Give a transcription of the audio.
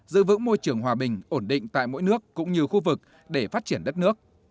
giữ vững môi trường hòa bình ổn định tại mỗi nước cũng như khu vực để phát triển đất nước